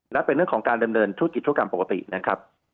และเป็นเรื่องของการดำเนินธุรกิจธุรกรรมปกตินะครับ